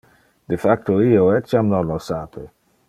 De facto, io etiam non lo sape.